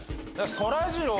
そらジロー！